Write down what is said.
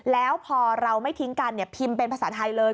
แล้วพอเราไม่ทิ้งกันพิมพ์เป็นภาษาไทยเลย